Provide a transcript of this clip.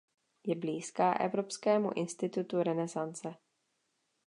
Je blízká Evropskému institutu Renaissance.